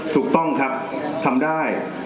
ถูกต้องครับทำได้